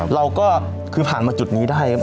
เราก็คือผ่านมาจุดนี้ได้